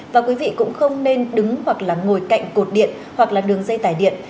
và quý vị cũng không nên đứng hoặc là ngồi cạnh cột điện hoặc là đường dây tải điện